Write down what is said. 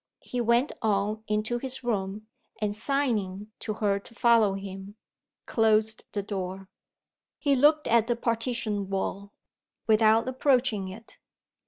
He went on into his room; and, signing to her to follow him, closed the door. He looked at the partition wall without approaching it.